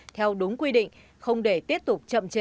theo đúng quy định không để tiếp tục chậm trễ